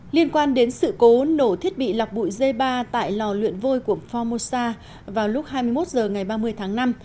liên quan đến sự cố nổ thiết bị lọc bụi g ba tại lò luyện vôi của formosa vào lúc hai mươi một h ngày ba mươi tháng năm